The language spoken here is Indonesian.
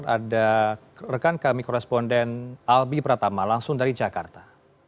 ada rekan kami koresponden albi pratama langsung dari jakarta